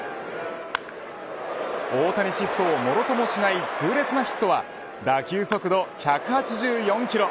大谷シフトをもろともしない痛烈なヒットは打球速度１８４キロ。